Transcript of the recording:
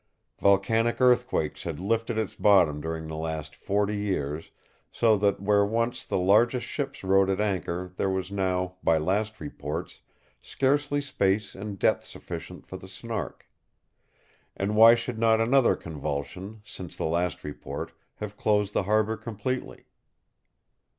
Volcanic earthquakes had lifted its bottom during the last forty years, so that where once the largest ships rode at anchor there was now, by last reports, scarcely space and depth sufficient for the Snark. And why should not another convulsion, since the last report, have closed the harbour completely?